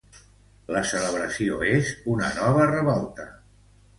La celebració és una nova revolta.